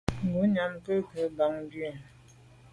Ngùnyàm kwé ngo’ bàn bu i,